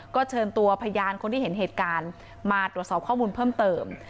ก็เชิญตัวพยานคนที่เห็นเหตุการณ์มาตรวจสอบข้อมูลเพิ่มเติม